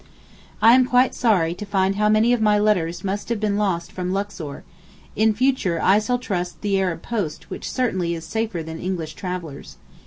I am quite sorry to find how many of my letters must have been lost from Luxor; in future I shall trust the Arab post which certainly is safer than English travellers.